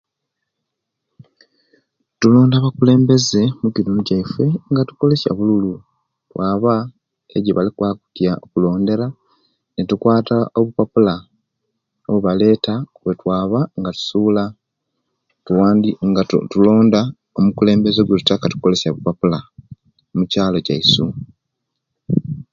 Tulonda abakulembeze omukitundu kyaife nga tukozesya obululu twaba ejebali kwaba okutya okulondera netukwata owupapula owubaleta kwetwaba ga tusuula tuwand nga tulonda omukulembeze ogwetuttaka tukolesya wupapula omukyalo kyaisu.